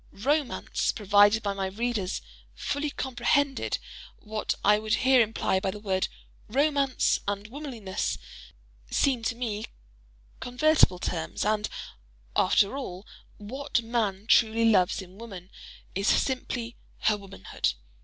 "Romance," provided my readers fully comprehended what I would here imply by the word—"romance" and "womanliness" seem to me convertible terms: and, after all, what man truly loves in woman, is simply her womanhood.